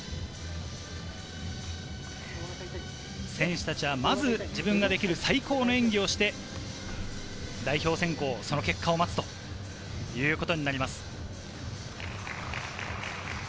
選手たちはまず自分ができる最高の演技をして、代表選考、その結果を待つということになります。